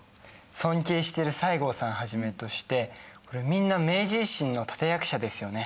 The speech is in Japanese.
尊敬してる西郷さんはじめとしてこれみんな明治維新の立て役者ですよね。